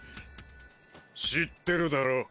知ってるだろ？